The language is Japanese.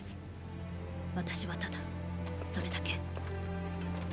私はただそれだけ。